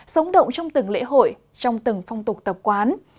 sống động trong từng lễ hội trong từng phong tục tập quán